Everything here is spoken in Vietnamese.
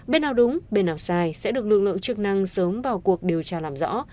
bên nào đúng bên nào sai sẽ được lực lượng chức năng sớm vào cuộc điều tra làm rõ